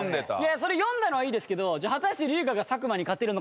それ読んだのはいいですけど果たして。